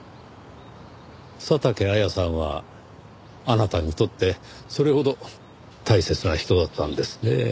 佐竹綾さんはあなたにとってそれほど大切な人だったんですねぇ。